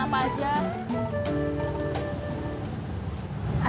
tapi kayaknya entscheid mendingan